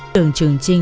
tường trường trinh